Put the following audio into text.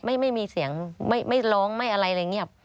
ไม่มีเสียงไม่ร้องไม่อะไรอะไรเงียบ